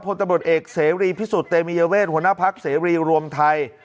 พลตะบดเอกเสรีพิสุธเตมีเยเวทหัวหน้าภักดิ์เสรีรวมไทย